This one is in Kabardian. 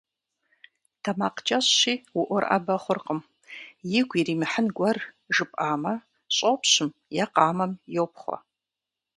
Тэмакъкӏэщӏщи уӏурыӏэбэ хъуркъым. Игу иримыхьын гуэр жыпӏамэ, щӏопщым е къамэм йопхъуэ.